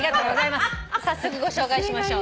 早速ご紹介しましょう。